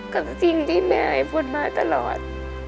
กับสิ่งที่แม่ไอพูดมาตลอด